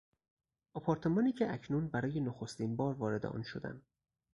آپارتمانی که اکنون برای نخستین بار وارد آن شدم